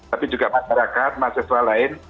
tapi juga masyarakat mahasiswa lain